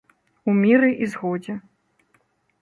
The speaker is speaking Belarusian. У міры і згодзе.